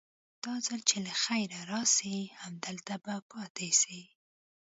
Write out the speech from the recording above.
دا ځل چې له خيره راسي همدلته به پاته سي.